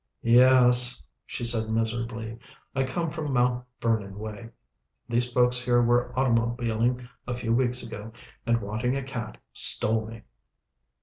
"Yes," she said miserably. "I come from Mount Vernon way. These folks here were automobiling a few weeks ago, and wanting a cat, stole me."